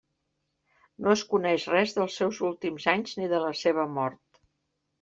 No es coneix res dels seus últims anys ni de la seva mort.